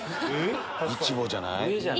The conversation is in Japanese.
イチボじゃない？